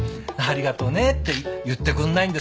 ありがとうねって言ってくんないんですかね？